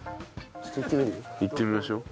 いってみます？